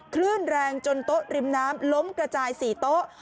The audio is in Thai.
คลื่นแรงจนโต๊ะริมน้ำล้มกระจาย๔โต๊ะ